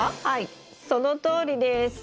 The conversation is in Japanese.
はいそのとおりです。